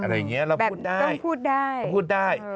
ต้องพูดได้